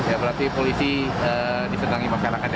ya berarti polisi disenangi masyarakat